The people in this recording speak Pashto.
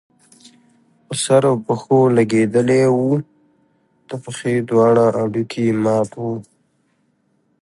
په سر او پښو لګېدلی وو، د پښې دواړه هډوکي يې مات وو